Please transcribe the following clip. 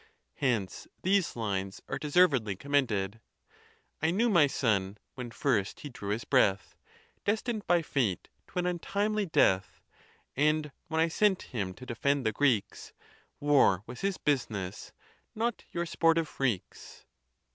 Hence these lines are deservedly commended : I knew my son, when first he drew his breath, Destined by fate to an untimely death ; And when I sent him to defend the Greeks, War was his business, not your sportive freaks.